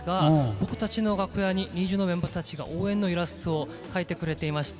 僕たちの楽屋にＮｉｚｉＵのみんなが応援のイラストを描いてくれていました。